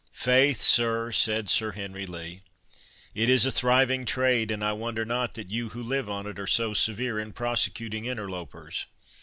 "Faith, sir," said Sir Henry Lee, "it is a thriving trade, and I wonder not that you who live on it are so severe in prosecuting interlopers.